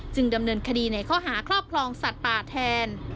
ดำเนินคดีในข้อหาครอบครองสัตว์ป่าแทน